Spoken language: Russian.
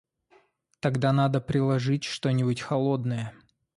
Тогда надо приложить что-нибудь холодное.